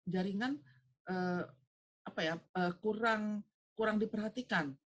jaringan kurang diperhatikan